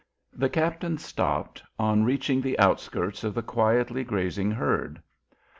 The captain stopped on reaching the outskirts of the quietly grazing herd.